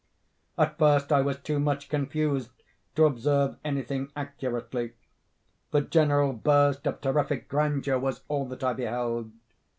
"At first I was too much confused to observe anything accurately. The general burst of terrific grandeur was all that I beheld.